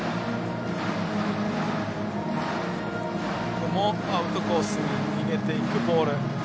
このアウトコースに逃げていくボール。